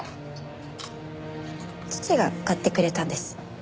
父が買ってくれたんです。